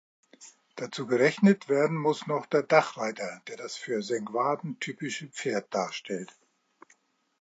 Dazu gerechnet werden muss noch der Dachreiter, der das für Sengwarden typische Pferd darstellt.